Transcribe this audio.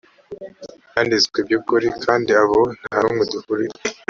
byanditswe by ukuri kandi abo nta wundi dufatanije